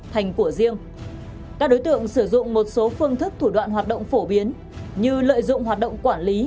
thành của riêng các đối tượng sử dụng một số phương thức thủ đoạn hoạt động phổ biến như lợi dụng hoạt động quản lý